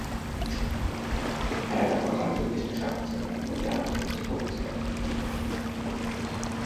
এরা প্রধানত কৃষ্ণ সাগর, থেকে মঙ্গোলিয়া হয়ে উত্তর-পূর্ব চীনে বসবাস করে।